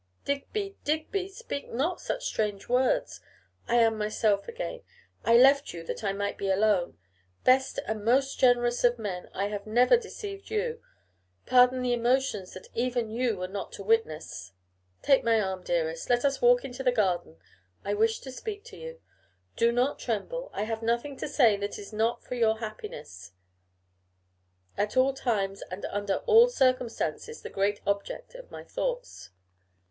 'Digby, Digby, speak not such strange words. I am myself again. I left you that I might be alone. Best and most generous of men, I have never deceived you; pardon the emotions that even you were not to witness.' 'Take my arm, dearest, let us walk into the garden. I wish to speak to you. Do not tremble. I have nothing to say that is not for your happiness; at all times, and under all circumstances, the great object of my thoughts.